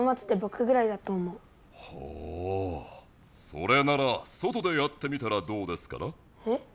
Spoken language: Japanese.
それなら外でやってみたらどうですかな？え？